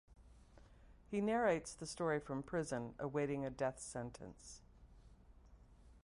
He narrates the story from prison, awaiting a death sentence.